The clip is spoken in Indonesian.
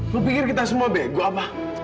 lo pikir kita semua bego apa